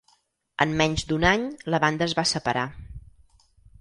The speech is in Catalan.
En menys d'un any, la banda es a separar.